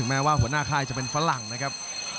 แม้ว่าหัวหน้าค่ายจะเป็นฝรั่งนะครับ